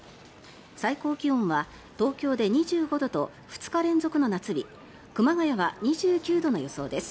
最高気温は東京で２５度と２日連続の夏日熊谷は２９度の予想です。